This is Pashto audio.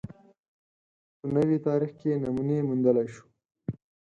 په نوي تاریخ کې نمونې موندلای شو